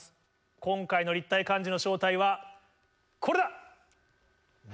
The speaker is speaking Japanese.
今回の立体漢字の正体はこれだ。